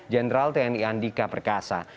jenderal tni andika perkasa